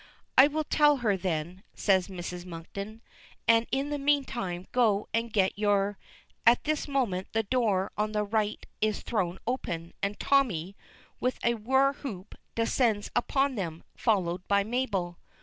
"I will tell her then," says Mrs. Monkton; "and in the meantime go and get your " At this moment the door on the right is thrown open, and Tommy, with a warhoop, descends upon them, followed by Mabel.